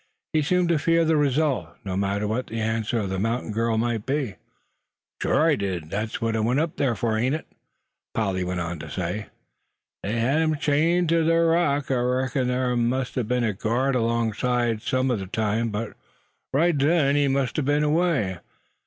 He seemed to fear the result, no matter what the answer of the mountain girl might be. "Sure I did. Thet's what I went up thar fur, ain't it?" Polly went on to say. "They hed him chained ter ther rock. I reckons thar mout a be'n a guard alongside, sum o' ther time; but right then he must a be'n away.